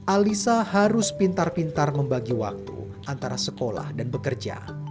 alisa harus pintar pintar membagi waktu antara sekolah dan bekerja